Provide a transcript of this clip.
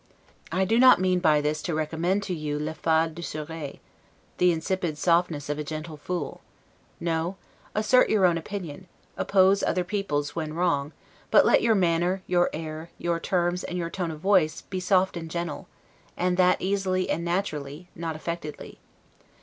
I do not mean by this to recommend to you 'le fade doucereux', the insipid softness of a gentle fool; no, assert your own opinion, oppose other people's when wrong; but let your manner, your air, your terms, and your tone of voice, be soft and gentle, and that easily and naturally, not affectedly.